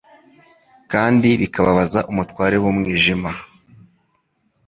kandi bikababaza umutware w'umwijima.